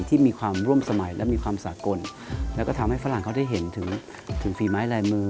ที่มีความร่วมสมัยและมีความสากลแล้วก็ทำให้ฝรั่งเขาได้เห็นถึงฝีไม้ลายมือ